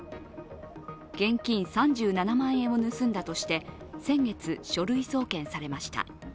現金３７万円を盗んだとして、先月、書類送検されました。